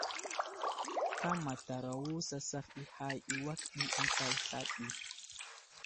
Kámataro sasaf i hay i awak ɗi ənta sla ɗi.